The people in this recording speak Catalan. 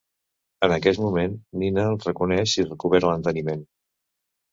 En aquest moment, Nina el reconeix i recupera l'enteniment.